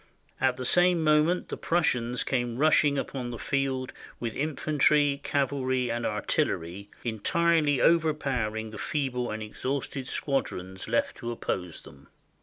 "At the same moment the Prussians came rushing upon the field, with infantry, cavalry, and artillery, entirely over powering the feeble and exhausted squadrons left to oppose them.